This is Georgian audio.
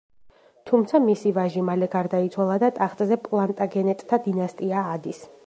თუმცა მისი ვაჟი მალე გარდაიცვალა და ტახტზე პლანტაგენეტთა დინასტია ადის.